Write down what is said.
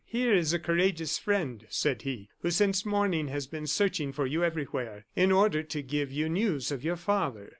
"Here is a courageous friend," said he, "who since morning, has been searching for you everywhere, in, order to give you news of your father."